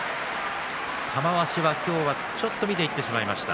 玉鷲は今日はちょっと見ていってしまいました。